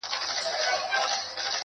د پامیر لوري یه د ښکلي اریانا لوري.